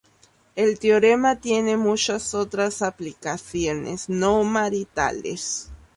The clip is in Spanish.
El teorema tiene muchas otras aplicaciones "no maritales".